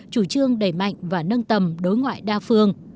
chủ trương đẩy mạnh và nâng tầm đối ngoại đa phương